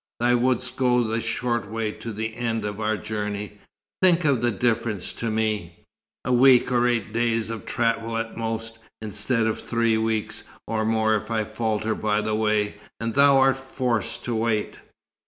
Thou wouldst go the short way to the end of our journey. Think of the difference to me! A week or eight days of travel at most, instead of three weeks, or more if I falter by the way, and thou art forced to wait."